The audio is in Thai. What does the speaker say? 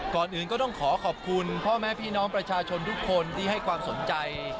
ก่อนอื่นก็ต้องขอขอบคุณพ่อแม่พี่น้องประชาชนทุกคนที่ให้ความสนใจ